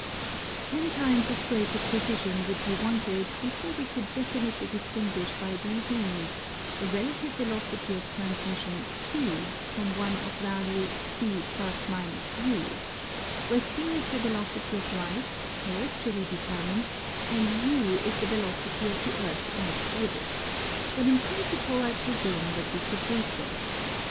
Ten times as great a precision would be wanted before we could definitely distinguish by these means a relative velocity of transmission c from one of value c + m, where c is the velocity of light, terrestrially determined, and u is the velocity of the Earth in its orbit, but in principle I presume that we could do so.